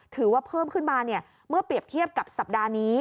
ถือว่าเพิ่มขึ้นมาเมื่อเปรียบเทียบกับสัปดาห์นี้